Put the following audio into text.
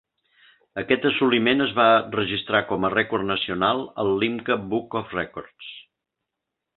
Aquest assoliment es va registrar com a rècord nacional al Limca Book of Records.